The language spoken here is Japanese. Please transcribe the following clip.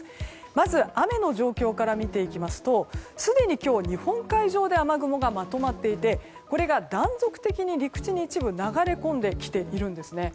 まず雨の状況から見ていきますとすでに今日、日本海上で雨雲がまとまっていてこれが断続的に陸地に一部流れてきています。